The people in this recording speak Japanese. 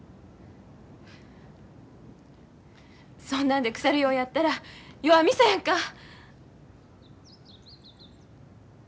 そんなんでくさるようやったら弱みそやんか。